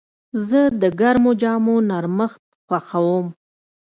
زه د ګرمو جامو نرمښت خوښوم.